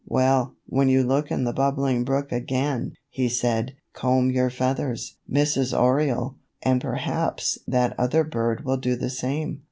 "Well, when you look in the Bubbling Brook again," he said, "comb your feathers, Mrs. Oriole, and perhaps that other bird will do the same."